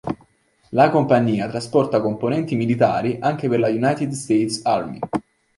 La compagnia trasporta componenti militari anche per la United States Army.